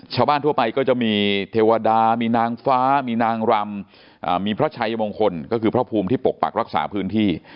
ชาวบ้านทั่วไปก็จะมีเทวดามีนางฟ้ามีนางรำมีพระชัยมงคลก็คือพระภูมิที่ปกปักรักษาพื้นที่